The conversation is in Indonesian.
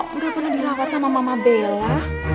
kok gak pernah dilawat sama mama bella